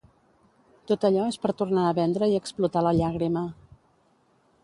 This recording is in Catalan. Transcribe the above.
Tot allò és per tornar a vendre i explotar la llàgrima